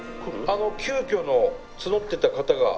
あの急きょの募ってた方が。